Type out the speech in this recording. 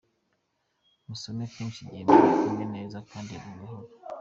Musome kenshi igihe muri kumwe neza kandi gahoro.